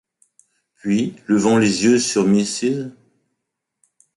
Puis levant les yeux sur Mrs.